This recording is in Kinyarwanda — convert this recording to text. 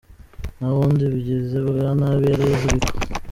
Nta bundi bigizi bwa nabi yari azwiko.